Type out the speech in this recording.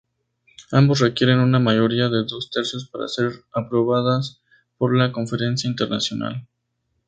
Ambos requieren una mayoría de dos tercios para ser aprobadas por la Conferencia Internacional.